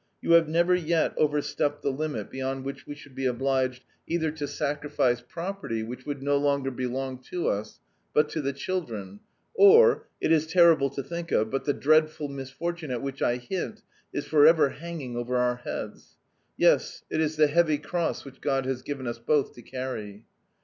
You have never yet overstepped the limit beyond which we should be obliged either to sacrifice property which would no longer belong to us, but to the children, or It is terrible to think of, but the dreadful misfortune at which I hint is forever hanging over our heads. Yes, it is the heavy cross which God has given us both to carry.